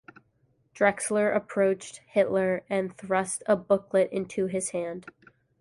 Drexler approached Hitler and thrust a booklet into his hand.